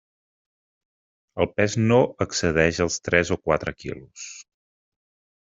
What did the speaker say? El pes no excedeix els tres o quatre quilos.